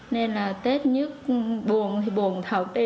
nên là tết nhất buồn thì buồn thật đi